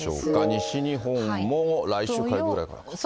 西日本も来週火曜日ぐらいから。